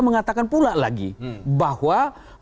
mengatakan pula lagi bahwa